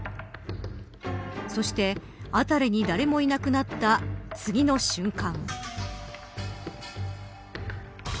そして辺りに誰もいなくなった次の瞬間。